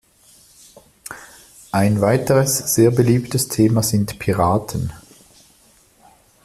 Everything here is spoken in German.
Ein weiteres sehr beliebtes Thema sind Piraten.